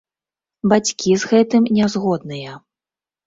Бацькі з гэтым не згодныя.